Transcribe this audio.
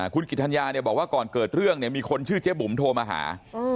คุณกิจธัญญาเนี่ยบอกว่าก่อนเกิดเรื่องเนี่ยมีคนชื่อเจ๊บุ๋มโทรมาหา